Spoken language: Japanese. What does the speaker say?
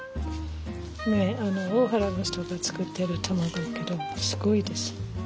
大原の人が作ってる卵やけどすごいです。